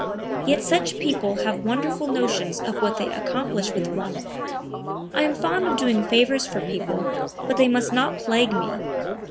Yet such people have wonderful notions of what they accomplish with one....I am fond of doing favors for people but they must not plague me.